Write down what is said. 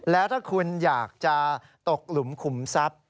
แล้วถ้าคุณอยากจะตกหลุมขุมทรัพย์